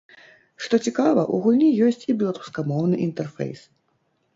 Што цікава, у гульні ёсць і беларускамоўны інтэрфейс.